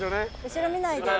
後ろ見ないで。